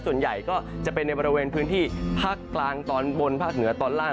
ส่วนใหญ่ก็จะเป็นในบริเวณพื้นที่ภาคกลางตอนบนภาคเหนือตอนล่าง